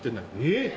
えっ！？